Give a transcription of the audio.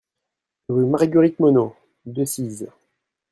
Rue Marguerite Monnot, Decize